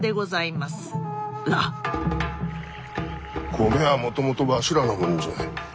米はもともとわしらのもんじゃ。